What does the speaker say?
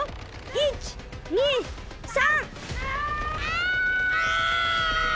１２３！